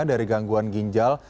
dari gangguan ginjal